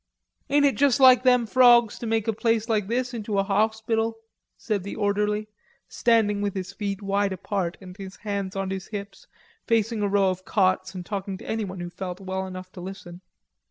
"Ain't it juss like them frawgs te make a place like this' into a hauspital?" said the orderly, standing with his feet wide apart and his hands on his hips, facing a row of cots and talking to anyone who felt well enough to listen.